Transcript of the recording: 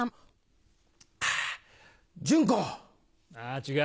違う。